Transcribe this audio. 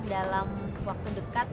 dalam waktu dekat